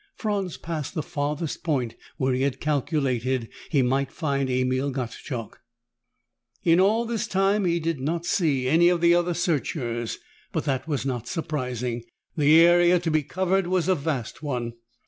Franz passed the farthest point where he had calculated he might find Emil Gottschalk. In all this time, he did not see any of the other searchers, but that was not surprising. The area to be covered was a vast one.